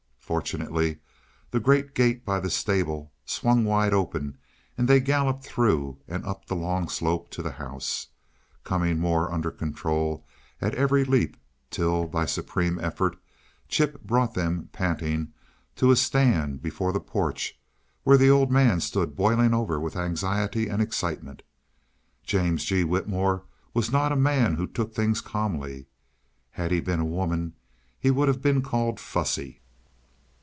Fortunately the great gate by the stable swung wide open and they galloped through and up the long slope to the house, coming more under control at every leap, till, by a supreme effort, Chip brought them, panting, to a stand before the porch where the Old Man stood boiling over with anxiety and excitement. James G. Whitmore was not a man who took things calmly; had he been a woman he would have been called fussy.